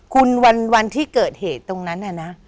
คุณวันที่เกิดเหตุตรงนั้นน่ะนะ